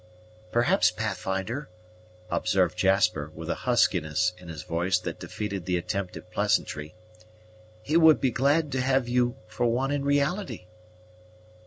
"Perhaps, Pathfinder," observed Jasper, with a huskiness in his voice that defeated the attempt at pleasantry, "he would be glad to have you for one in reality."